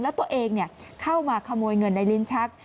แล้วตัวเองเข้ามาขโมยเงินในลิ้นชัก